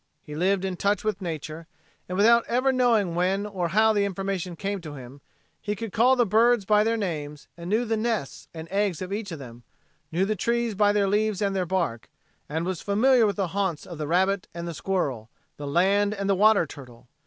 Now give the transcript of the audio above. He lived in touch with nature, and without ever knowing when or how the information came to him, he could call the birds by their names and knew the nests and eggs of each of them, knew the trees by their leaves and their bark, and was familiar with the haunts of the rabbit and the squirrel, the land and the water turtle.